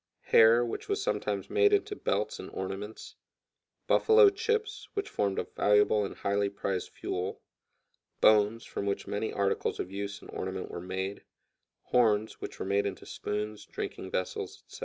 hair, which was sometimes made into belts and ornaments; "buffalo chips," which formed a valuable and highly prized fuel; bones, from which many articles of use and ornament were made; horns, which were made into spoons, drinking vessels, etc.